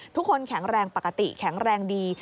ทุกคนแข็งแรงปกติแข็งแรงดี